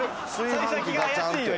幸先が怪しいよ